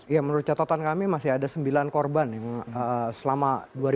ya menurut catatan kami masih ada sembilan korban selama dua ribu